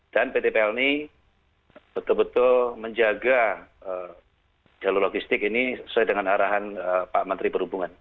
dan pt pelni betul betul menjaga jalur logistik ini sesuai dengan arahan pak menteri perhubungan